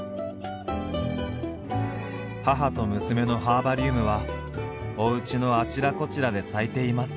母と娘のハーバリウムはおうちのあちらこちらで咲いています。